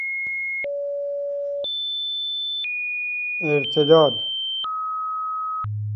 ارتداد